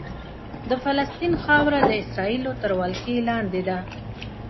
د فلسطین خاوره د اسرائیلو تر ولکې لاندې ده.